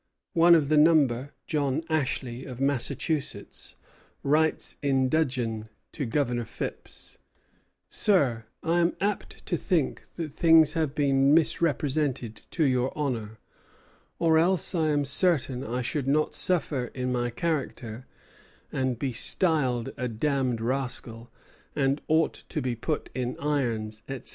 One of their number, John Ashley, of Massachusetts, writes in dudgeon to Governor Phipps: "Sir, I am apt to think that things have been misrepresented to your Honor, or else I am certain I should not suffer in my character, and be styled a damned rascal, and ought to be put in irons, etc.